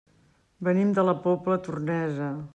Venim de la Pobla Tornesa.